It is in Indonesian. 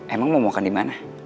emang mau makan dimana